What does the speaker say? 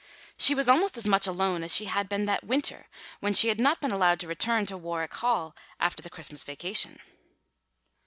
She was almost as much alone as she had been that winter when she had not been allowed to return to Warwick Hall after the Christmas vacation.